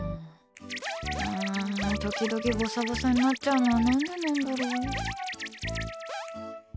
時々ぼさぼさになっちゃうのは何でなんだろう。